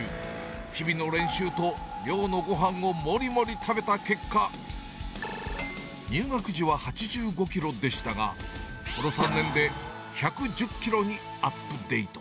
日々の練習と寮のごはんをもりもり食べた結果、入学時は８５キロでしたが、この３年で１１０キロにアップデート。